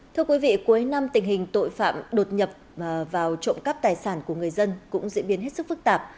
thưa quý vị cuối năm tình hình tội phạm đột nhập vào trộm cắp tài sản của người dân cũng diễn biến hết sức phức tạp